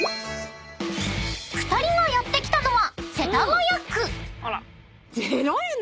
［２人がやって来たのは］